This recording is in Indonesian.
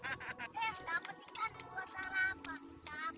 eh dapet ikan buat sarapan